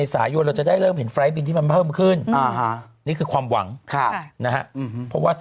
ไฟล์เช้าโอ้โฮ